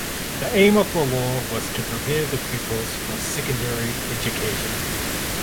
The aim of the law was to prepare the pupils for secondary education.